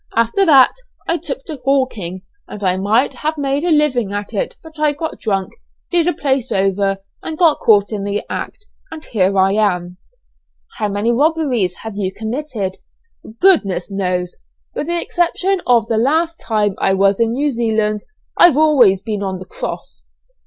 After that I took to hawking, and I might have made a living at it but I got drunk, did a place over, and got caught in the act, and here I am." "How many robberies may you have committed?" "Goodness knows! with the exception of the time I was in New Zealand I've been always on the 'cross.'"